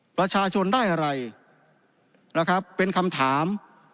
ประชาชนได้อะไรนะครับเป็นคำถาม